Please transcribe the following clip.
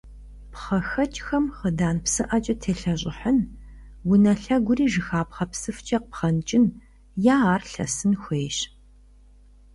ПхъэхэкӀхэм хъыдан псыӀэкӀэ телъэщӀыхьын, унэ лъэгури жыхапхъэ псыфкӀэ пхъэнкӀын е ар лъэсын хуейщ.